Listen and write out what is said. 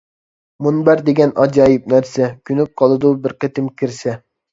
مۇنبەر دېگەن ئاجايىپ نەرسە، كۆنۈپ قالىدۇ بىر قېتىم كىرسە.